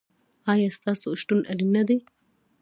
ایا ستاسو شتون اړین نه دی؟